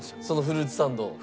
そのフルーツサンド？